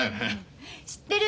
知ってる！